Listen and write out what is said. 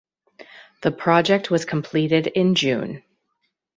The project was completed in June.